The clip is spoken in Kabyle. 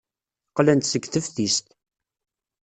Qqlen-d seg teftist.